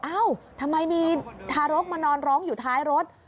เอ้าทำไมมีทารกมานอนร้องอยู่ท้ายรถ